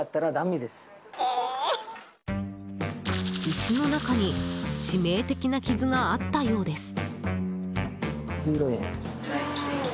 石の中に致命的な傷があったようです。